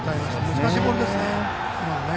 難しいボールです、今の。